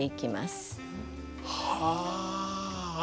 はあ。